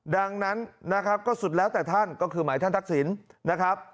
ดังนั้นนะครับก็สุดแล้วแต่ท่านก็คือหมายท่านทักษิณนะครับ